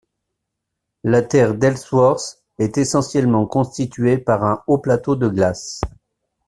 La terre d'Ellsworth est essentiellement constituée par un haut plateau de glace.